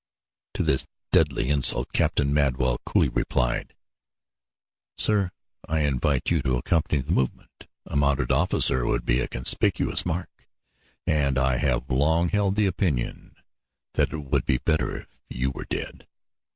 To this deadly insult Captain Madwell coolly replied: "Sir, I invite you to accompany the movement. A mounted officer would be a conspicuous mark, and I have long held the opinion that it would be better if you were dead."